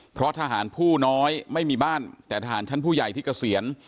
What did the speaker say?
เพราะทหารผู้น้อยไม่มีบ้านแต่ทหารชั้นผู้ใหญ่ที่เกษียณ